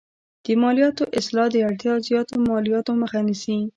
د مالیاتو اصلاح د اړتیا زیاتو مالیاتو مخه نیسي.